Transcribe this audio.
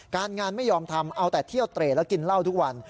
การงานไม่ยอมทำเอาแต่เที่ยวเตรแล้วกินเหล้าทุกวัน